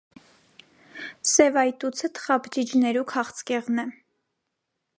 Սեւայտուցը թխաբջիջներու քաղցկեղն է։